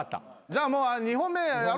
じゃあもう２本目やろう。